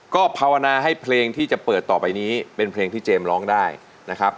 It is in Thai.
ก็ภาวนาให้เพลงที่จะเปิดต่อไปนี้เป็นเพลงที่เจมส์ร้องได้นะครับ